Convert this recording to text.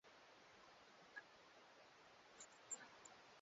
Wakati wa kuingia msikitini lazima mtu amevaa